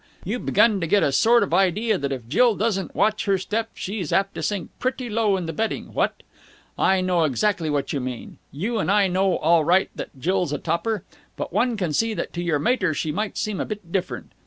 You've begun to get a sort of idea that if Jill doesn't watch her step, she's apt to sink pretty low in the betting, what? I know exactly what you mean! You and I know all right that Jill's a topper. But one can see that to your mater she might seem a bit different.